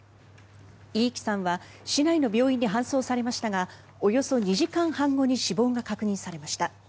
入来さんは市内の病院に搬送されましたがおよそ２時間半後に死亡が確認されました。